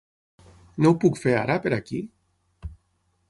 No ho puc fer ara, per aquí?